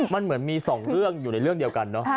มันเหมือนมีสองเรื่องอยู่ในเรื่องเดียวกันเนอะ